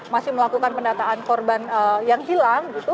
masih melakukan pendataan korban yang hilang gitu